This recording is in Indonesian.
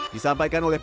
disampaikan oleh umkm